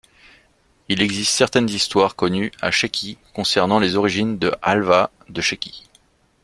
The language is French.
Il existe certaines histoires connues à Chéki concernant les origines de halva de Chéki.